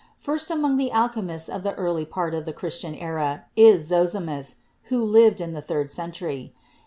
First among the alchemists of the early part of the Christian era is Zosimus, who lived in the third cen tury.